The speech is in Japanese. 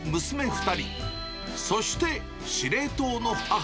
２人、そして司令塔の母。